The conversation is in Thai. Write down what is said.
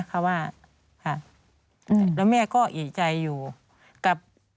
เขาว่าค่ะแล้วแม่ก็เอกใจอยู่กับ